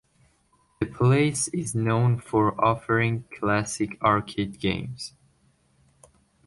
The place is known for offering classic arcade games.